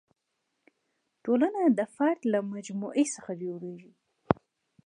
ټولنه د فرد له مجموعې څخه جوړېږي.